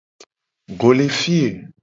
Go le fi ye.